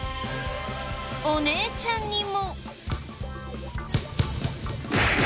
お姉ちゃんにも。